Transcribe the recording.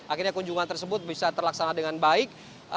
akhirnya kunjungan tersebut bisa terlaksana dengan baik